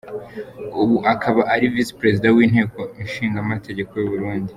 Ubu akaba ari visi Perezida w’Inteko ishinga amategeko y’Uburundi.